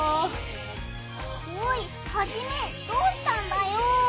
おいハジメどうしたんだよ！